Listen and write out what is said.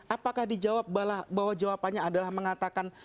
apakah dijawab bahwa jawabannya adalah mengatakan